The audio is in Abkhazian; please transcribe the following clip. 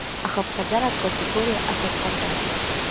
Ахыԥхьаӡаратә категориа ахьыӡҟаҿы…